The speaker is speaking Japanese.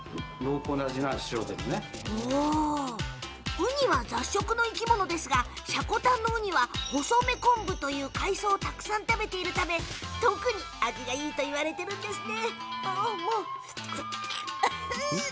ウニは雑食の生き物ですが積丹のウニはホソメコンブという海藻をたくさん食べているため特に味がいいと言われているんですね。